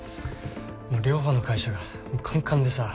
もう両方の会社がカンカンでさ。